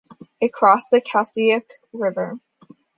It crossed the Calcasieu River.